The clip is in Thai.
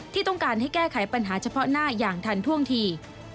ที่ต้องการให้แก้ไขปัญหาเฉพาะหน้าอย่างทันท่วงที